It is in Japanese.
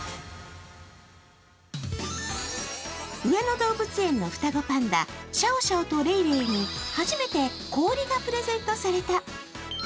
上野動物園の双子パンダ、シャオシャオとレイレイに初めて氷がプレゼントされた。